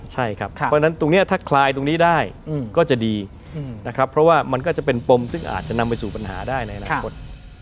ใช่ครับเพราะฉะนั้นตรงนี้ถ้าคลายตรงนี้ได้ก็จะดีนะครับเพราะว่ามันก็จะเป็นปมซึ่งอาจจะนำไปสู่ปัญหาได้ในอนาคต